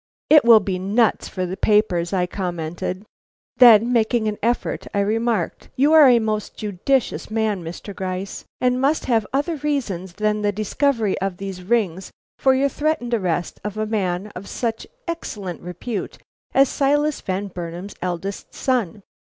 "It will be nuts for the papers," I commented; then making an effort, I remarked: "You are a most judicious man, Mr. Gryce, and must have other reasons than the discovery of these rings for your threatened arrest of a man of such excellent repute as Silas Van Burnam's eldest son.